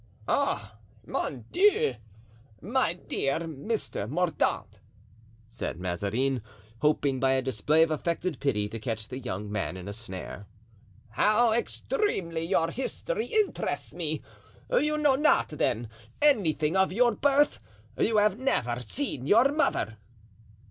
"Oh, mon Dieu! my dear Mr. Mordaunt," said Mazarin, hoping by a display of affected pity to catch the young man in a snare, "how extremely your history interests me! You know not, then, anything of your birth—you have never seen your mother?"